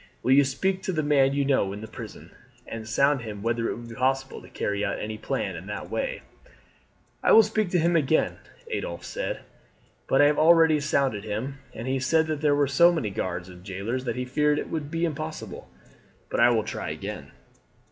Will you speak to the man you know in the prison, and sound him whether it will be possible to carry out any plan in that way?" "I will speak again to him," Adolphe said. "But I have already sounded him, and he said that there were so many guards and jailers that he feared that it would be impossible. But I will try again."